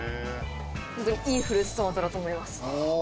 本当にいいフルーツトマトだと思います。